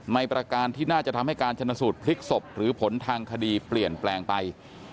ประการที่น่าจะทำให้การชนสูตรพลิกศพหรือผลทางคดีเปลี่ยนแปลงไป